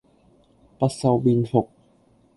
不修邊幅